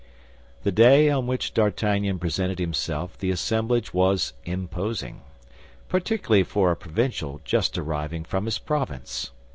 The day on which D'Artagnan presented himself the assemblage was imposing, particularly for a provincial just arriving from his province.